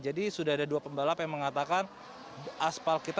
jadi sudah ada dua pembalap yang mengatakan aspal kita